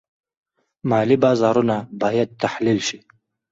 مالي بازارونه باید تحلیل شي.